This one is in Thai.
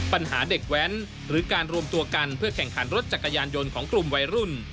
ปัญหาเด็กแว้นหรือการรวมตัวกันเพื่อแข่งขันรถจักรยานยนต์ของกลุ่มวัยรุ่น